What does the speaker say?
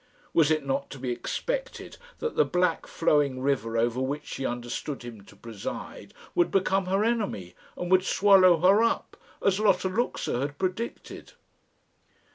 Was it not to be expected that the black flowing river over which she understood him to preside would become her enemy and would swallow her up as Lotta Luxa had predicted?